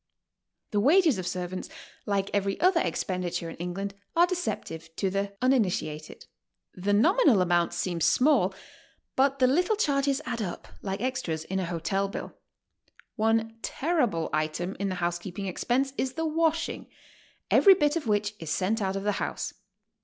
The wages of servants, like every other expenditure in England, are deceptive to the uninitiated. The nominal amount seems small, but the little charges add up like extras in a hotel bill. One terrible i'tem in the housekeeping expense is the washing, every bit of which is sent out of the house.